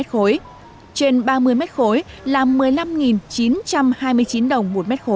trên ba mươi m ba là một mươi năm đồng